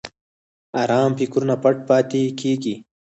ارام فکرونه پټ پاتې کېږي.